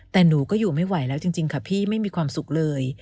แต่หนูก็อยู่ไม่ไหวแล้วจริงค่ะพี่ไม่มีความสุขเลย